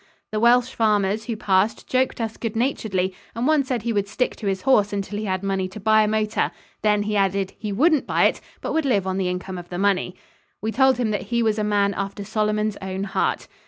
The Welsh farmers who passed joked us good naturedly and one said he would stick to his horse until he had money to buy a motor then, he added, he wouldn't buy it, but would live on the income of the money. We told him that he was a man after Solomon's own heart.